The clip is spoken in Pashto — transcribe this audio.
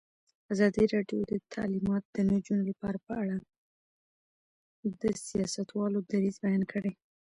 ازادي راډیو د تعلیمات د نجونو لپاره په اړه د سیاستوالو دریځ بیان کړی.